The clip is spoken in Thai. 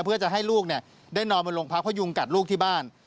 เพื่อจะให้ลูกได้นอนบนโรงพักเพราะยุงกัดลูกที่บ้าน